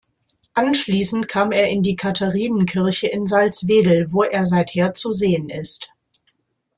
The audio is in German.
Anschließend kam er in die Katharinenkirche in Salzwedel, wo er seither zu sehen ist.